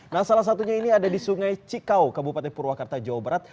nah salah satunya ini ada di sungai cikau kabupaten purwakarta jawa barat